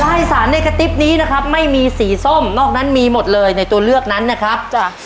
อีสานในกระติ๊บนี้นะครับไม่มีสีส้มนอกนั้นมีหมดเลยในตัวเลือกนั้นนะครับจ้ะ